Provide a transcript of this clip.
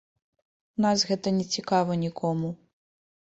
У нас гэта нецікава нікому.